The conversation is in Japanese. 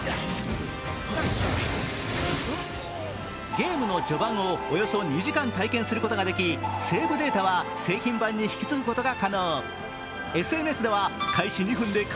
ゲームの序盤をおよそ２時間体験することができ、セーブデータは製品版に引き継ぐことが可能。